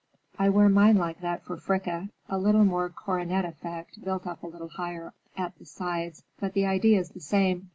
I wear mine like that for Fricka. A little more coronet effect, built up a little higher at the sides, but the idea's the same.